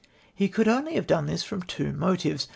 He could only have done this from two motives.